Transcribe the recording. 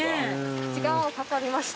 時間はかかりました。